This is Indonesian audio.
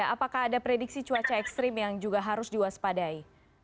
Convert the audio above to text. apakah ada prediksi cuaca ekstrim yang juga harus diwaspadai